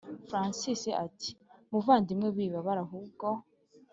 francis ati”muvandimwe wibabara ahubwo